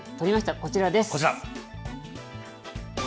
こちらです。